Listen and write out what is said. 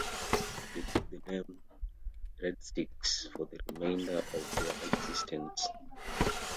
They took the name "RedStixx" for the remainder of their existence.